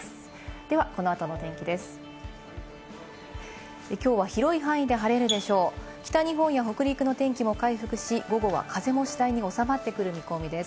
ではこの後の天気です。